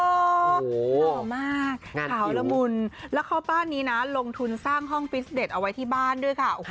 หล่อมากขาวละมุนแล้วเข้าบ้านนี้นะลงทุนสร้างห้องฟิสเด็ดเอาไว้ที่บ้านด้วยค่ะ